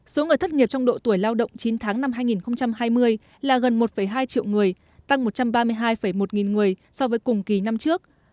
số người thất nghiệp trong độ tuổi lao động chín tháng năm hai nghìn hai mươi là gần một hai triệu người tăng một trăm ba mươi hai một nghìn người so với cùng kỳ năm trước